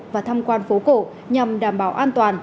và thăm quan phố cổ nhằm đảm bảo an toàn